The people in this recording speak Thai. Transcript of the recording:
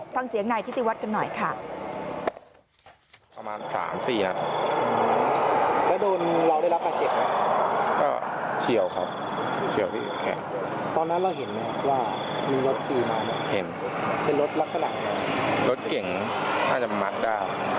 ฟังเสียงนายทิติวัฒน์กันหน่อยค่ะ